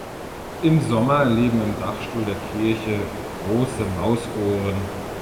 Im Sommer leben im Dachstuhl der Kirche Große Mausohren.